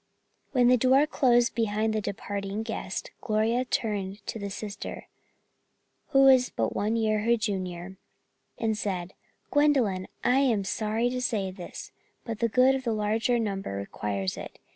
When the door closed behind the departing guests Gloria turned to the sister, who was but one year her junior, and said: "Gwendolyn, I am sorry to say this, but the good of the larger number requires it.